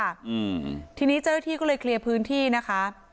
อืมทีนี้เจ้าหน้าที่ก็เลยเคลียร์พื้นที่นะคะ